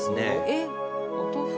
えっお豆腐？